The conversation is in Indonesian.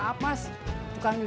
kayak ganda mommies